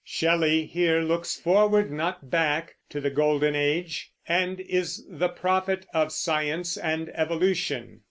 Shelley here looks forward, not back, to the Golden Age, and is the prophet of science and evolution.